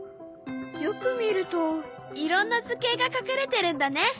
よく見るといろんな図形が隠れてるんだね。